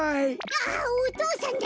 あっお父さんだ！